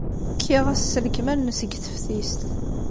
Kkiɣ ass s lekmal-nnes deg teftist.